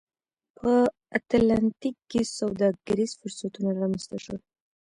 په اتلانتیک کې سوداګریز فرصتونه رامنځته شول.